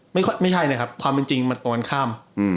ไม่ใช่นะครับความจริงมันตรงนั้นข้าม